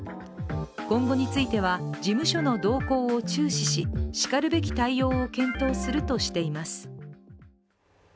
今後については、事務所の動向を注視ししかるべき対応を検討するとしています。